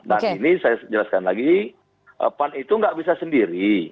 dan ini saya jelaskan lagi pan itu gak bisa sendiri